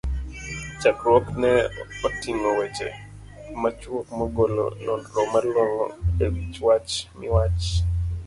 chakruokne oting'o weche machuok, magolo nonro malongo e wich wach miwach